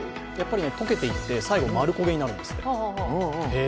溶けていって、丸焦げになるんですって。